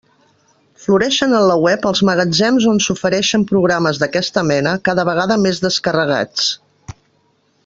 Floreixen en la web els magatzems on s'ofereixen programes d'aquesta mena, cada vegada més descarregats.